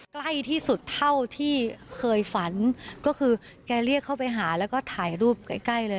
ใกล้ที่สุดเท่าที่เคยฝันก็คือแกเรียกเข้าไปหาแล้วก็ถ่ายรูปใกล้ใกล้เลย